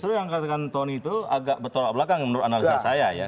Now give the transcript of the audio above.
justru yang katakan tony itu agak bertolak belakang menurut analisa saya ya